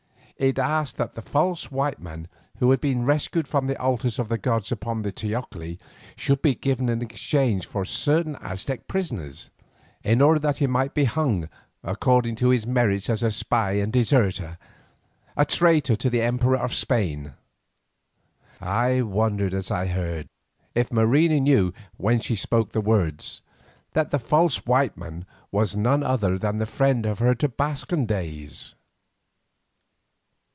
It asked that the false white man who had been rescued from the altars of the gods upon the teocalli should be given in exchange for certain Aztec prisoners, in order that he might be hung according to his merits as a spy and deserter, a traitor to the emperor of Spain. I wondered as I heard, if Marina knew when she spoke the words, that "the false white man" was none other than the friend of her Tobascan days.